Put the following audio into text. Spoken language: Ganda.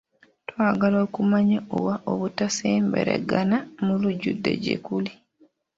Twagala okumanya oba obutasemberagana mu lujjudde gye kuli.